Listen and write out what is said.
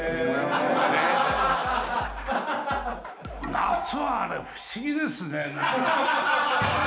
夏は不思議ですね。